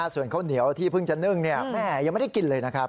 ส่วนข้าวเหนียวที่เพิ่งจะนึ่งแม่ยังไม่ได้กินเลยนะครับ